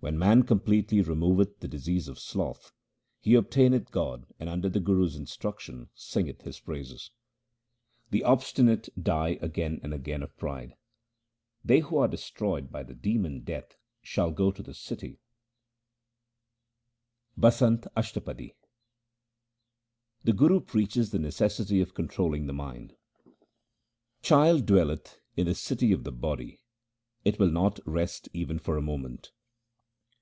When man completely removeth the disease of sloth, he obtaineth God and under the Guru's instruction singeth His praises. The obstinate die again and again of pride. They who are destroyed by the demon Death shall go to his city. HYMNS OF GURU RAM DAS 341 Basant Ashtapadi The Guru preaches the necessity of controlling the mind :— A child 1 dwelleth in the city of the body ; it will not rest even for a moment.